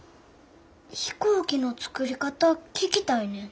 飛行機の作り方聞きたいねん。